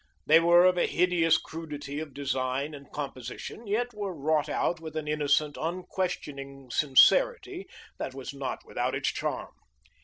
They were of a hideous crudity of design and composition, yet were wrought out with an innocent, unquestioning sincerity that was not without its charm.